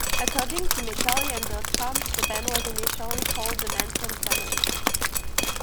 According to metallian dot com, the band was initially called The Manson Family.